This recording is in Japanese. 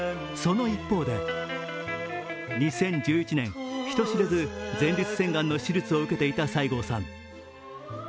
その一方で、２０１１年人知れず前立腺がんの手術を受けていた西郷さん。